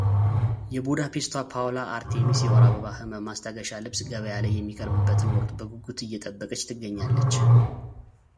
የቡዳፔስቷ ፓውላ አርቴሚስ የወር አበባ ህመም ማስታገሻ ልብስ ገበያ ላይ የሚቀርብበትን ወቅት በጉጉት አየጠበቀች ትገኛለች።